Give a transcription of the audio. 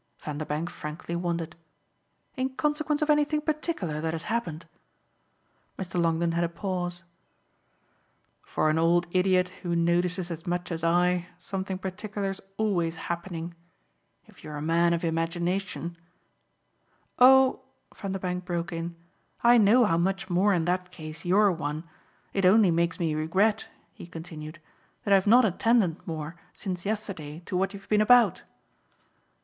Vanderbank frankly wondered. "In consequence of anything particular that has happened?" Mr. Longdon had a pause. "For an old idiot who notices as much as I something particular's always happening. If you're a man of imagination " "Oh," Vanderbank broke in, "I know how much more in that case you're one! It only makes me regret," he continued, "that I've not attended more since yesterday to what you've been about."